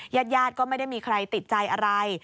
ญาติญาติก็ไม่ได้มีใครติดใจอะไร